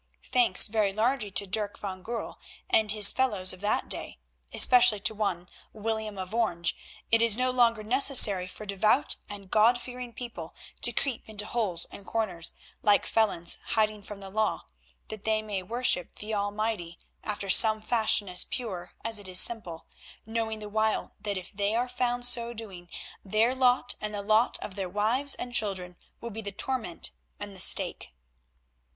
Thanks very largely to Dirk van Goorl and his fellows of that day, especially to one William of Orange, it is no longer necessary for devout and God fearing people to creep into holes and corners, like felons hiding from the law, that they may worship the Almighty after some fashion as pure as it is simple, knowing the while that if they are found so doing their lot and the lot of their wives and children will be the torment and the stake.